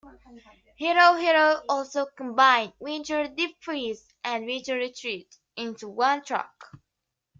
"Hero, Hero" also combine "Winter", "Deep Freeze" and "Winter Retreat" into one track.